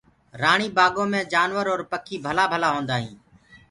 رآڻي بآگو مي جآنور اور پکي ڀلآ ڀلآ هوندآ هينٚ۔